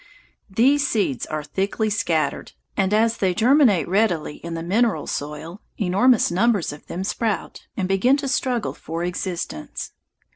These seeds are thickly scattered, and as they germinate readily in the mineral soil, enormous numbers of them sprout and begin to struggle for existence.